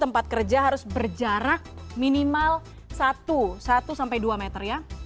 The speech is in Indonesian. tempat kerja harus berjarak minimal satu sampai dua meter ya